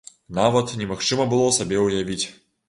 Нават немагчыма было сабе ўявіць!